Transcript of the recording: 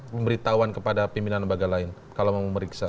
pemberitahuan kepada pimpinan lembaga lain kalau mau memeriksa